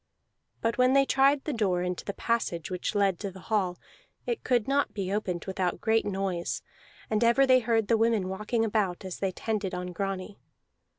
But when they tried the door into the passage which led to the hall, it could not be opened without great noise; and ever they heard the women walking about, as they tended on Grani.